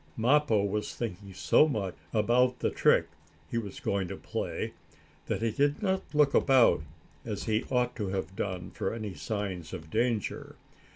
Mappo was thinking so much about the trick he was going to play, that he did not look about, as he ought to have done, for any signs of danger.